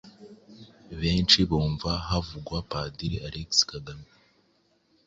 Benshi bumva havugwa Padiri Alexis Kagame